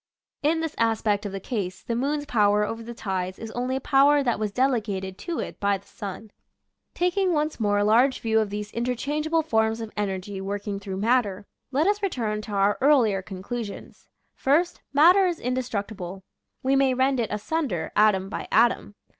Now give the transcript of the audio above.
In this aspect of the case, the moon's power over the tides is only a power that was delegated to it by the sun. Taking once more a large view of these interchangeable forms of energy working through matter, let us return to our earlier conclusions: First, Matter is indestructible. We may rend it asunder, atom by atom.